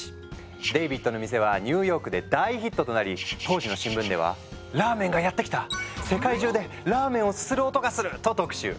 デイビッドの店はニューヨークで大ヒットとなり当時の新聞では「ラーメンがやって来た！世界中でラーメンをすする音がする」と特集。